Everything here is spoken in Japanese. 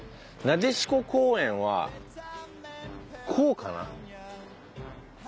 なでしこ公園はこうかな？